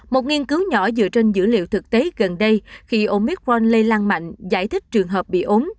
một nghiên cứu nhỏ dựa trên dữ liệu thực tế gần đây khi omicron lây lan mạnh giải thích trường hợp bị ốm